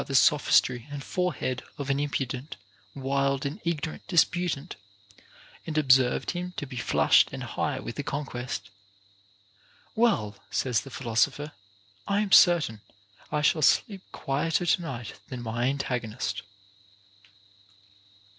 the sophistry and forehead of an impudent, 460 OF MAN'S PROGRESS IN VIRTUE. ' wild, and ignorant disputant, and observed him to be flushed and high with the conquest ; Well ! says the philosopher, I am certain, I shall sleep quieter to night than my antagonist.